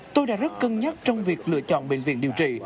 tôi đã rất cân nhắc trong việc lựa chọn bệnh viện điều trị